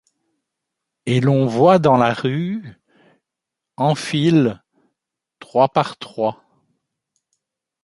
Et l'on voit dans la rue, en file, trois par trois